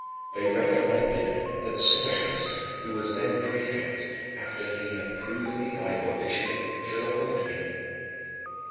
They recommended that Symmachus, who was then prefect, after he had proved me by audition, should appoint me.